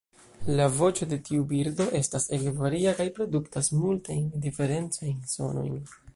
La voĉo de tiu birdo estas ege varia kaj produktas multajn diferencajn sonojn.